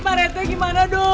pak rete gimana dong